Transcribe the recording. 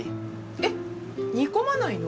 えっ煮込まないの？